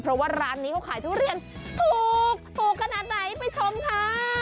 เพราะว่าร้านนี้เขาขายทุเรียนถูกถูกขนาดไหนไปชมค่ะ